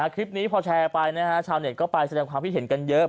คลิปนี้พอแชร์ไปนะฮะชาวเน็ตก็ไปแสดงความคิดเห็นกันเยอะ